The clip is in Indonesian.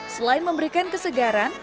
selain memberikan kesegaran